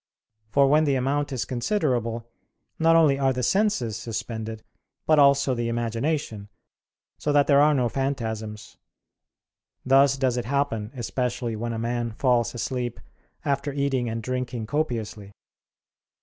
For when the amount is considerable, not only are the senses suspended, but also the imagination, so that there are no phantasms; thus does it happen, especially when a man falls asleep after eating and drinking copiously.